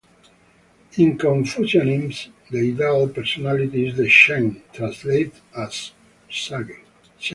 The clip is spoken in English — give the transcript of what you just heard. In Confucianism, the ideal personality is the "sheng", translated as sage.